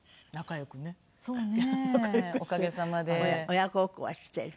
親孝行はしている？